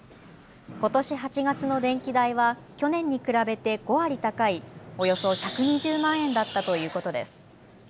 ことし８月の電気代は去年に比べて５割高い、およそ１２０万円だったということです。